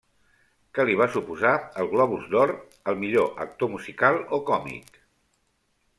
Que li va suposar el Globus d'Or al millor actor musical o còmic.